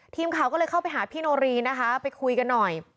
ทีมข่าวก็เลยเข้าไปหาพี่โนรีนะคะไปคุยกันหน่อย